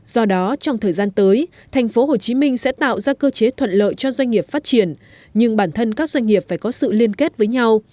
do đó trong thời gian tới tp hcm sẽ tạo ra cơ chế thuận lợi cho doanh nghiệp phát triển nhưng bản thân các doanh nghiệp phải có sự liên kết với nhau